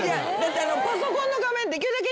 パソコンの画面できるだけ